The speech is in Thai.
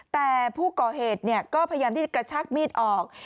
แต่ผู้ก่อเหตุก็พยายามที่จะกระชักมีดออก